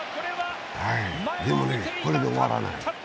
でもね、これで終わらない。